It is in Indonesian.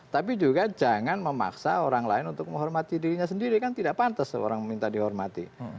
tapi juga jangan memaksa orang lain untuk menghormati dirinya sendiri kan tidak pantas orang meminta dihormati